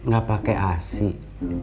gak pake asik